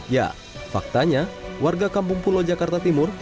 ya faktanya warga kampung pulau jakarta timur